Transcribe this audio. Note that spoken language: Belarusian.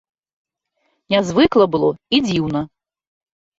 Нязвыкла было і дзіўна.